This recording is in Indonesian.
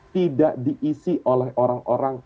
tidak diisi oleh orang orang